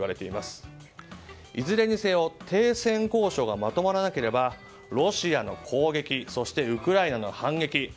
いずれにせよ停戦交渉がまとまらなければロシアの攻撃そしてウクライナの反撃